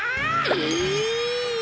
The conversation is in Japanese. え！